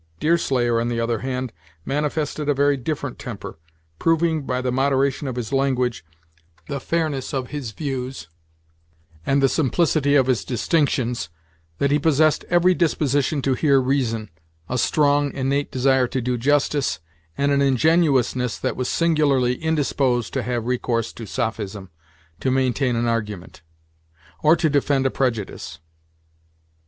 Deerslayer, on the other hand, manifested a very different temper, proving by the moderation of his language, the fairness of his views, and the simplicity of his distinctions, that he possessed every disposition to hear reason, a strong, innate desire to do justice, and an ingenuousness that was singularly indisposed to have recourse to sophism to maintain an argument; or to defend a prejudice.